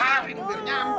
garing biar nyampu